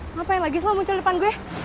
ngapain lagi semua muncul di depan gue